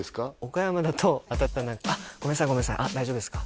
岡山だと当たったら「あっごめんなさいごめんなさい大丈夫ですか？」